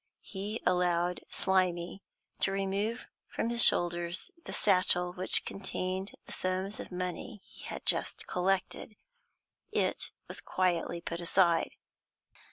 He allowed Slimy to remove from his shoulders the satchel which contained the sums of money he had just collected. It was quietly put aside.